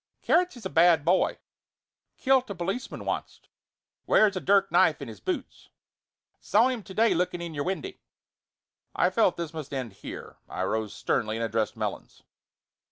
"Carrots is a bad boy. Killed a policeman onct. Wears a dirk knife in his boots. Saw him to day looking in your windy." I felt that this must end here. I rose sternly and addressed Melons.